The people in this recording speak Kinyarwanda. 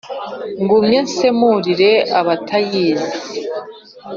Ngumye nsemurire abatayizi